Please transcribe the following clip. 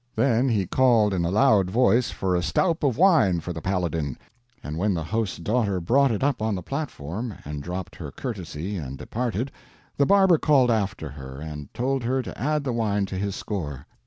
Then he called in a loud voice for a stoup of wine for the Paladin, and when the host's daughter brought it up on the platform and dropped her courtesy and departed, the barber called after her, and told her to add the wine to his score.